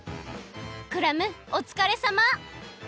クラムおつかれさま！